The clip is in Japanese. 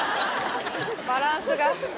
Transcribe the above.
バランスが。